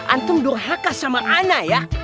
antum durhaka sama anak ya